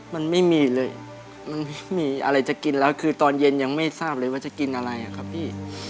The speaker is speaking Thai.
มันไม่มีเลยมันไม่มีอะไรจะกินแล้วคือตอนเย็นยังไม่ทราบเลยว่าจะกินอะไรอะครับพี่